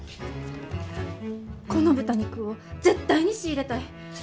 この豚肉を絶対に仕入れたい！